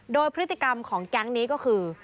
โดยพฤติกรรมของแก๊งนี้ก็คือ